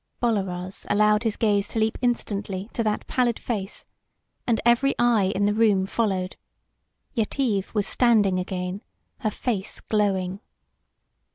Bolaroz allowed his gaze to leap instantly to that pallid face and every eye in the room followed. Yetive was standing again, her face glowing.